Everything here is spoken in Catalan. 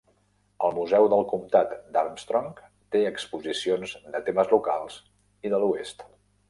El museu del comtat d'Armstrong té exposicions de temes locals i de l'oest.